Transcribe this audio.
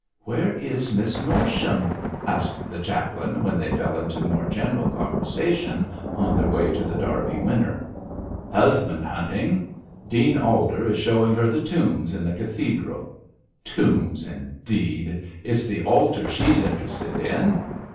'Where is Miss Norsham?' asked the chaplain, when they fell into more general conversation on their way to The Derby Winner. 'Husband hunting. Dean Alder is showing her the tombs in the cathedral. Tombs, indeed! It's the altar she's interested in.'